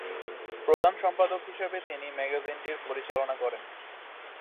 প্রধান সম্পাদক হিসেবে তিনি ম্যাগাজিনটি পরিচালনা করেন।